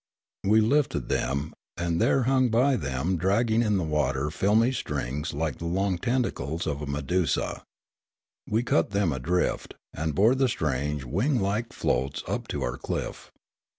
We lifted them, and there hung by them dragging in the water filmy strings like the long tentacles of a medusa. We cut them adrift, and bore the strange wing like floats up to our cliff.